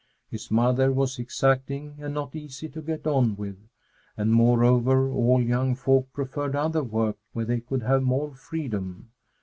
His mother was exacting and not easy to get on with, and, moreover, all young folk preferred other work where they could have more freedom.